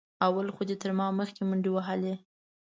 اول خو دې تر ما مخکې منډې وهلې.